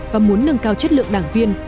và muốn nâng cao chất lượng đảng viên